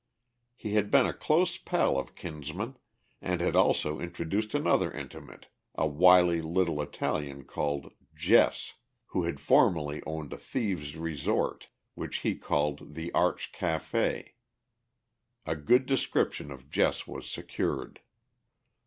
He had been a close pal of Kinsman, and had also introduced another intimate, a wily little Italian called "Jess," who had formerly owned a thieves' resort which he called the "Arch Café." A good description of Jess was secured.